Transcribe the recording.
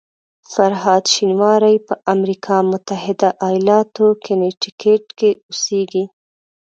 فرهاد شینواری په امریکا متحده ایالاتو کنیټیکټ کې اوسېږي.